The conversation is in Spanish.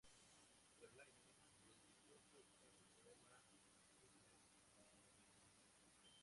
Verlaine le dedicó su extenso poema ""Nocturne parisien"".